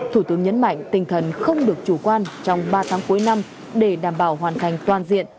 tình hình tình thần không được chủ quan trong ba tháng cuối năm để đảm bảo hoàn thành toàn diện